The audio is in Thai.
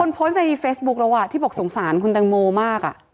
โพสต์ในเฟซบุ๊คแล้วอ่ะที่บอกสงสารคุณแตงโมมาก